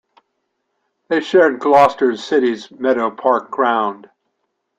They shared Gloucester City's Meadow Park ground.